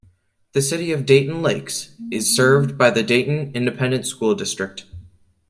The City of Dayton Lakes is served by the Dayton Independent School District.